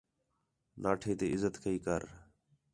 ناٹھیں تی عِزت کَئی کر